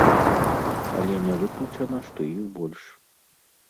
Але не выключана, што іх больш.